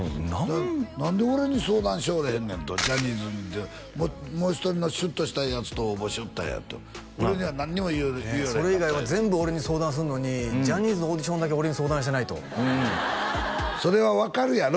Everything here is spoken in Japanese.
何で俺に相談しよれへんねんとジャニーズにもう一人のシュッとしたヤツと応募しよったんやと俺には何にも言よれへんかったってそれ以外は全部俺に相談するのにジャニーズのオーディションだけ俺に相談してないとそれは分かるやろ？